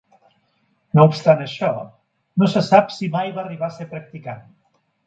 No obstant això, no se sap si mai va arribar a ser practicant.